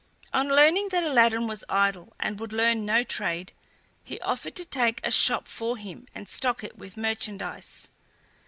On learning that Aladdin was idle and would learn no trade, he offered to take a shop for him and stock it with merchandise.